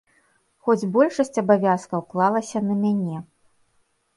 Хоць большасць абавязкаў клалася на мяне.